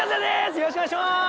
よろしくお願いします！